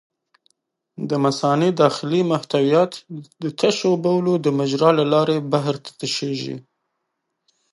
د مثانې داخلي محتویات د تشو بولو د مجرا له لارې بهر ته تشېږي.